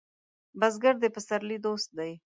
بزګر د پسرلي دوست دی